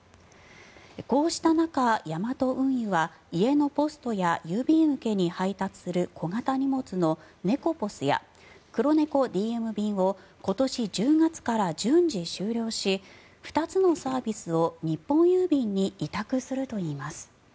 こうした中、ヤマト運輸は家のポストや郵便受けに配達する小型の荷物のネコポスやクロネコＤＭ便を今年１０月から順次終了し２つのサービスを日本郵便に委託するといいます。